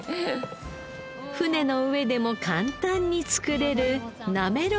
船の上でも簡単に作れるなめろうです。